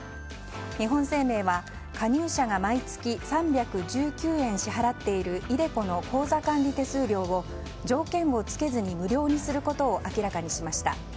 日本生命は、加入者が毎月３１９円支払っているｉＤｅＣｏの口座管理手数料を条件を付けずに無料にすることを明らかにしました。